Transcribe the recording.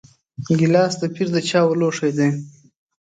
ګیلاس د پیر د چایو لوښی دی.